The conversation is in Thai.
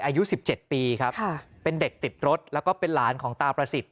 อายุ๑๗ปีครับเป็นเด็กติดรถแล้วก็เป็นหลานของตาประสิทธิ